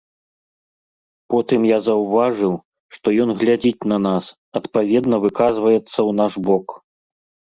Потым я заўважыў, што ён глядзіць на нас, адпаведна выказваецца ў наш бок.